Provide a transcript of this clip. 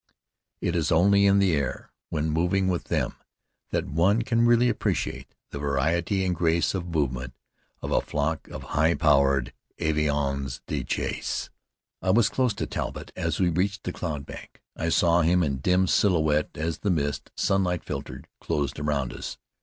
It is only in the air, when moving with them, that one can really appreciate the variety and grace of movement of a flock of high powered avions de chasse. I was close to Talbott as we reached the cloud bank. I saw him in dim silhouette as the mist, sunlight filtered, closed around us.